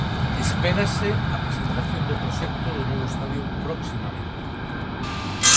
Espérase a presentación do proxecto do novo estadio proximamente.